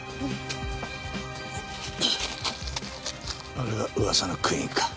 あれが噂のクイーンか。